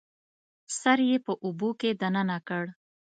سر یې په اوبو کې دننه کړ